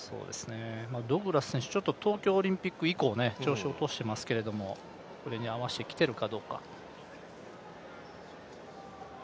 ドグラス選手、東京オリンピック以降調子落としていますけれどもこれに合わせてきているか。